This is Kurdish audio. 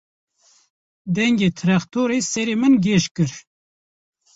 Dengê trextorê serê min gêj kir.